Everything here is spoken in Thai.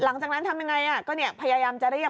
หลังจากนั้นทำยังไงก็พยายามจะเรียก